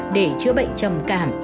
để chữa bệnh trầm cảm